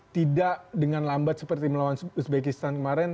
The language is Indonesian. tidak dengan lambat seperti melawan uzbekistan kemarin